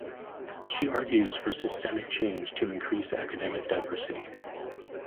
She argues for systemic change to increase academic diversity.